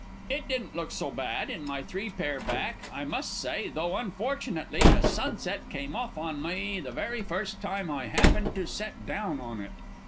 It didn't look so bad in my three pair back, I must say, though unfortunately the sunset came off on me the very first time I happened to set down on it.